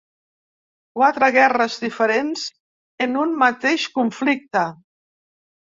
Quatre guerres diferents en un mateix conflicte.